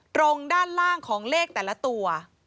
ตรงด้านล่างของเลขแต่ละตัว